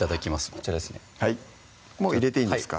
こちらですねはいもう入れていいんですか？